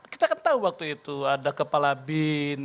kita kan tahu waktu itu ada kepala bin